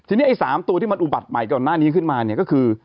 ทีนี้ไอ้๓ตัวที่มันอุบัติใหม่ก่อนหน้านี้ขึ้นมาเนี่ยก็คือ